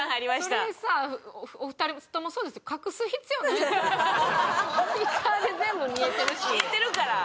それさお二人ともそうですけど見えてるから。